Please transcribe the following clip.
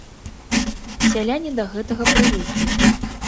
Сяляне да гэтага прывыклі.